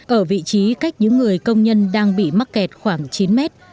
ở vị trí cách những người công nhân đang bị mắc kẹt khoảng chín mét